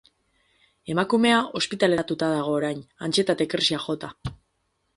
Emakumea ospitaleratuta dago orain antsietate krisiak jota.